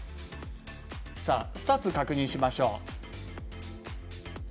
スタッツを確認しましょう。